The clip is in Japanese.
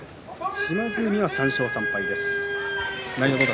島津海は３勝３敗です。